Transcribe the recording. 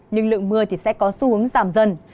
nhưng lượng mưa sẽ có xu hướng giảm dần